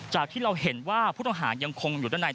ที่เราเห็นว่าผู้ต้องหายังคงอยู่ด้านใน